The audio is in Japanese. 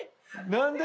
何で？